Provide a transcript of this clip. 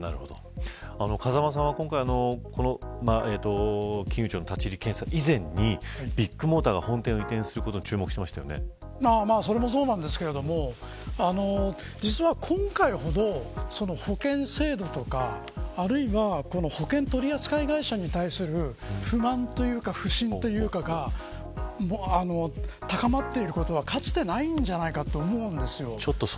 風間さんは、今回金融庁の立ち入り検査以前にビッグモーターが本店を移転することにそれもそうなんですけど実は今回ほど保険制度とかあるいは保険取扱会社に対する不満というか不信というかが高まっていることは、かつてないんじゃないかと思うんです。